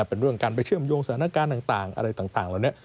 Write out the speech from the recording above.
เป็นเรื่องการไปเชื่อมโยงสถานการณ์ต่างอะไรต่างเหล่านี้